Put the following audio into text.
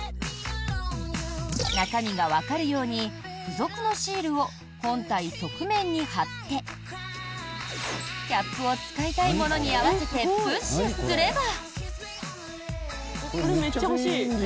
中身がわかるように付属のシールを本体側面に貼ってキャップを使いたいものに合わせてプッシュすれば。